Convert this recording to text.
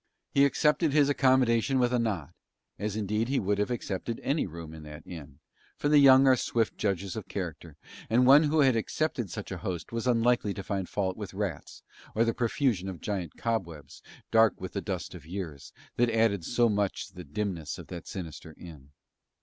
He accepted his accommodation with a nod; as indeed he would have accepted any room in that inn, for the young are swift judges of character, and one who had accepted such a host was unlikely to find fault with rats or the profusion of giant cobwebs, dark with the dust of years, that added so much to the dimness of that sinister inn.